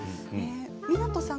湊さん